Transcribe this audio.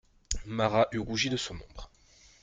Marat eût rougi de son ombre.